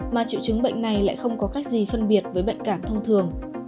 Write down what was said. mà triệu chứng bệnh này lại không có cách gì phân biệt với bệnh cảm thông thường